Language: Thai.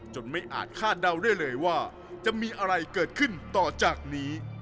ไม่อาจคาดเดาได้เลยว่าจะมีอะไรเกิดขึ้นต่อจากนี้